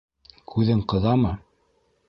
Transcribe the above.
- Күҙең ҡыҙамы?